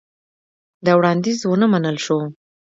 دا وړاندیز ونه منل شو.